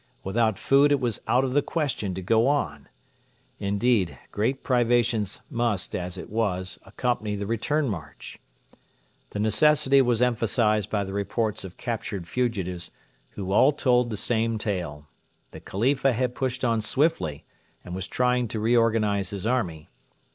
Without food it was out of the question to go on. Indeed, great privations must, as it was, accompany the return march. The necessity was emphasised by the reports of captured fugitives, who all told the same tale. The Khalifa had pushed on swiftly, and was trying to reorganise his army.